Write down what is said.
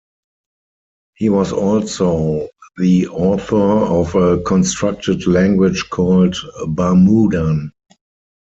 He was also the author of a constructed language called "Barmoodan".